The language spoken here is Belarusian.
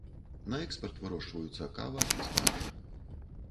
На экспарт вырошчваюцца кава, спаржа.